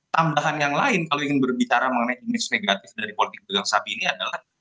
tambahan yang lain kalau ingin berbicara mengenai image negatif dari politik pedagang sapi ini adalah